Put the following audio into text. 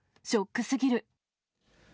ショックすぎる。